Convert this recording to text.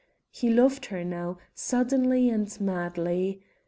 He loved her now suddenly and madly.